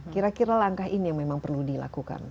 kira kira langkah ini yang memang perlu dilakukan